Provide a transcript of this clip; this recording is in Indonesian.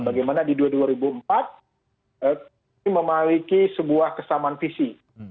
bagaimana di dua ribu empat ini memiliki sebuah kesamaan visi